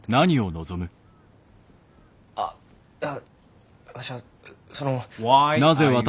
あいやわしはその。